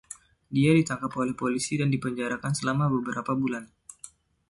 Dia ditangkap oleh polisi dan dipenjara selama beberapa bulan.